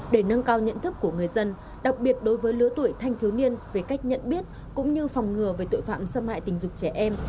để nâng cao nhận thức của người dân đặc biệt đối với lứa tuổi thanh thiếu niên về cách nhận biết cũng như phòng ngừa về tội phạm xâm hại tình dục trẻ em